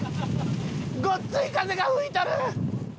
ごっつい風が吹いとる！